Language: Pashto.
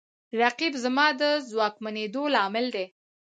رقیب زما د ځواکمنېدو لامل دی